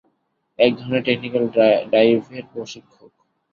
এক ধরণের টেকনিক্যাল ডাইভের প্রশিক্ষক।